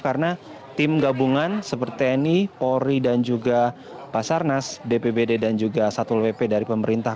karena tim gabungan seperti ini polri dan juga pasarnas dpbd dan juga satul wp dari pemerintah